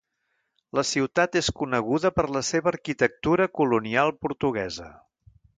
La ciutat és coneguda per la seva arquitectura colonial portuguesa.